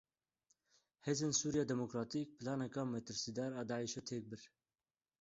Hêzên Sûriya Demokratîk planeke metirsîdar a Daişê têk bir.